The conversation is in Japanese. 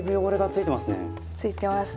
ついてますね。